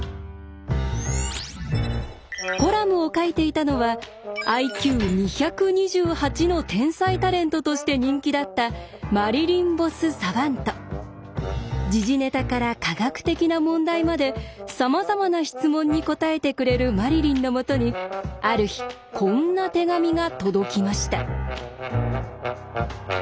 コラムを書いていたのはＩＱ２２８の天才タレントとして人気だった時事ネタから科学的な問題までさまざまな質問に答えてくれるマリリンのもとにある日こんな手紙が届きました。